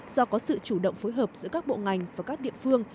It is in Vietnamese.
do có sự chủ động phối hợp giữa các bộ ngành và các địa phương